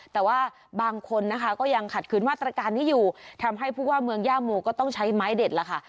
แต่ว่าบางคนนะคะก็ยังขัดคืนมาตรการนี้อยู่ทำให้ผู้ว่าเมืองย่าโมก็ต้องใช้ไม้เด็ดล่ะค่ะ